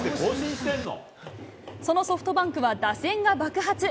そのソフトバンクは打線が爆発。